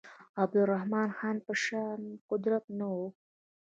عبدالرحمن خان په شان قدرت نه وو.